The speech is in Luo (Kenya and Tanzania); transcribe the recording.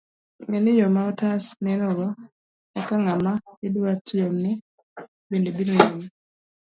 Ng'eni, yo ma otas nenogo, eka ng'ama idwa tiyone bende biro neni